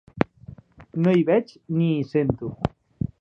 No hi veig ni hi sento.